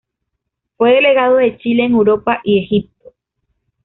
Fue delegado de Chile en Europa y Egipto.